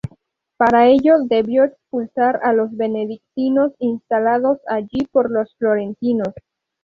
Para ello debió expulsar a los benedictinos instalados allí por los florentinos.